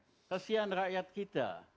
kesian rakyat kita